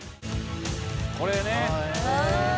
「これね」